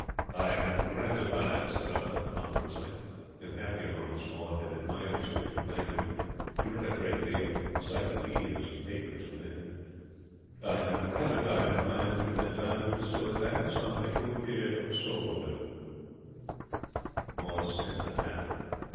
'I am gratified,' said Arthur, ponderously in happier moments Maud had admired his gift of language; he read a great deal: encyclopedias and papers and things 'I am gratified to find that you had time to bestow a glance on me. You appeared absorbed.' Maud sniffed unhappily.